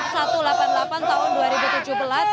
yang mengatur tentang pengadaan angkutan orang